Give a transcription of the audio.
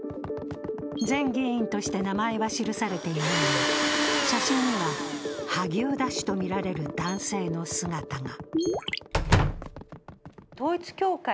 前議員として名前は記されていないが、写真には萩生田氏とみられる男性の姿が。